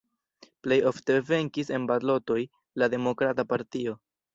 Plej ofte venkis en balotoj la Demokrata Partio.